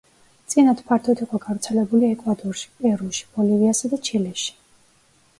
წინათ ფართოდ იყო გავრცელებული ეკვადორში, პერუში, ბოლივიასა და ჩილეში.